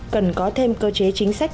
cần có thêm cơ chế chính sách